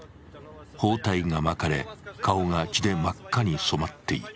包帯が巻かれ顔が血で真っ赤に染まっていた。